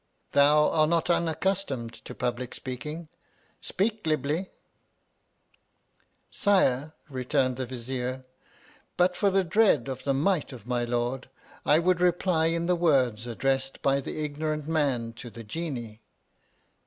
Thou art not unaccustomed to public speaking ; speak glibly ! Sire, returned the Vizier, but for the dread of the might of my Lord, 1 would reply in the words addressed by the ignorant man to the Genie.